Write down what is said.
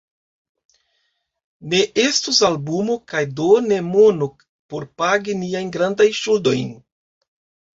Ne estus albumo kaj do ne mono por pagi niajn grandajn ŝuldojn.